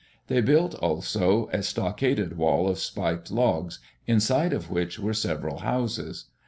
They built also a stockaded wall of spiked logs, inside of which were sev eral houses.